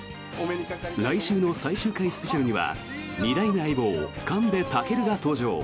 来週の最終回スペシャルには２代目相棒・神戸尊が登場！